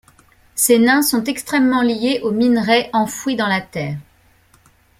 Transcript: Ces nains sont extrêmement liés aux minerais enfouis dans la terre.